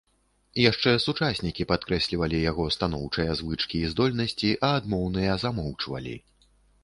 Яшчэ сучаснікі падкрэслівалі яго станоўчыя звычкі і здольнасці, а адмоўныя замоўчвалі.